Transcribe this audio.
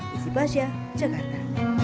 isi bahasa jakarta